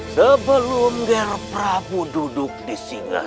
sebelum kejahatan duduk di sana